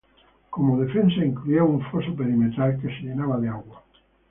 Como defensa incluía un foso perimetral que se llenaba de agua.